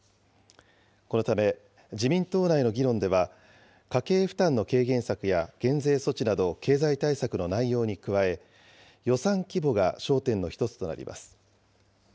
このため、自民党内の議論では、家計負担の軽減策や減税措置など経済対策の内容に加え、予算規模が焦点の１つとなります。